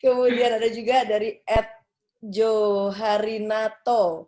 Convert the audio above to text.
kemudian ada juga dari ed joharinato